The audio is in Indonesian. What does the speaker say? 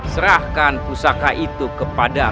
serahkan pusaka itu kepadamu